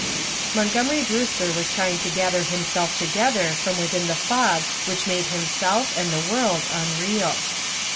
Montgomery Brewster was trying to gather himself together from within the fog which made himself and the world unreal.